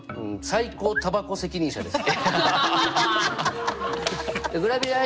最高タバコ責任者です。